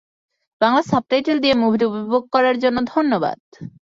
Bangla subtitle দিয়ে মুভিটি উপভোগ করার জন্য ধন্যবাদ।